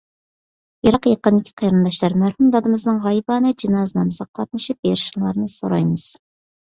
يىراق-يېقىندىكى قېرىنداشلار، مەرھۇم دادىمىزنىڭ غايىبانە جىنازا نامىزىغا قاتنىشىپ بېرىشىڭلارنى سورايمىز.